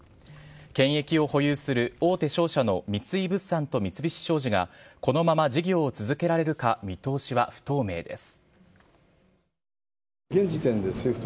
権益を保有する大手商社の三井物産と三菱商事がこのまま事業を続けられるか見通しは不透明です。